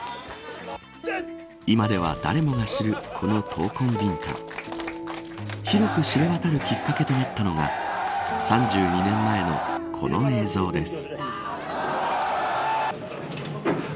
今では、誰もが知るこの闘魂ビンタ広く知れ渡るきっかけとなったのが３２年前のこの映像です。